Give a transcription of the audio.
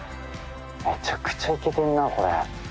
めちゃくちゃイケてるなこれ。